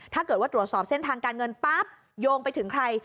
ถ้าเกิดว่าตรวจสอบเส้นทางการเงินปั๊บโยงไปถึงใคร